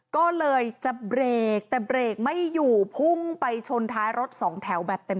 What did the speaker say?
ก็เลยจะเบรกแต่เบรกไม่อยู่พุ่งไปชนท้ายรถสองแถวแบบเต็ม